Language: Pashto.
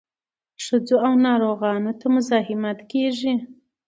ښځو او ناروغانو ته مزاحمت کیږي.